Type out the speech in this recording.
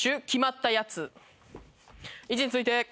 位置について。